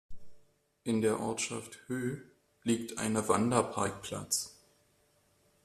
In der Ortschaft Höh liegt eine Wanderparkplatz.